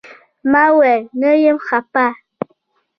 ما وويل نه يم خپه.